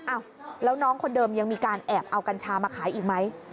อ้าวแล้วน้องคนเดิมยังมีการแอบเอากัญชามาขายอีกไหม